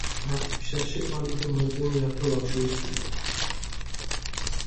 ართი ბჟაშე ჸვალი დო მარწვენი ართო ვაგშუურსია